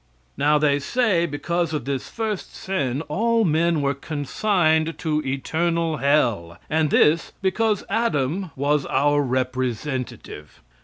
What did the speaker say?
Now they say, because of this first sin all men were consigned to eternal hell. And this because Adam was our representative.